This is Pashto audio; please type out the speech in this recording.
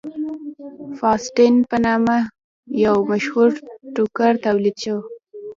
فاسټین په نامه یو مشهور ټوکر تولید شو.